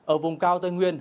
ở vùng cao tây nguyên